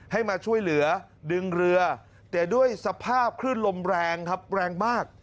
ให้มาช่วยเหลือดึงเรือแต่ด้วยสภาพคลื่นลมแรงครับแรงมาก